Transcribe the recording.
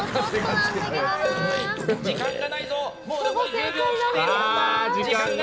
時間がないぞ！